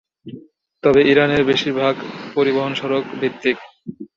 তবে, ইরানের বেশিরভাগ পরিবহন সড়ক-ভিত্তিক।